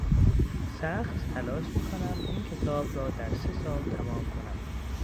سخت تلاش میکنم این کتاب را در سه سال تمام کنم.